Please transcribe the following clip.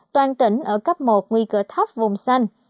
toàn tỉnh ở cấp một nguy cửa thấp vùng xanh